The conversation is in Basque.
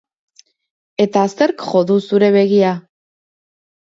Eta zerk jo du zure begia?